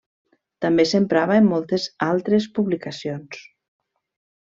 També s'emprava en moltes altres publicacions.